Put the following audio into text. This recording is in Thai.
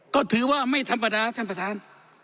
ก็ถือว่าไม่ธรรมดาท่านประธาน